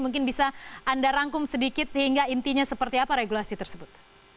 mungkin bisa anda rangkum sedikit sehingga intinya seperti apa regulasi tersebut